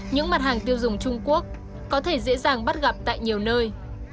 những mặt hàng tiêu dùng trung quốc có thể dễ dàng bắt gặp tại nhiều nơi